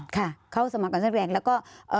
ค่ะเค้าสมัครกันแพสแปลงและก็